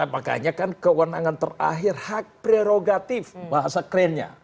makanya kan kewenangan terakhir hak prerogatif bahasa kerennya